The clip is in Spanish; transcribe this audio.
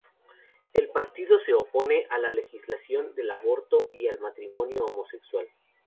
El partido se opone a la legalización del aborto y al matrimonio homosexual.